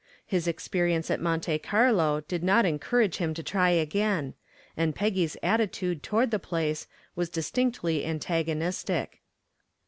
His experience at Monte Carlo did not encourage him to try again, and Peggy's attitude toward the place was distinctly antagonistic.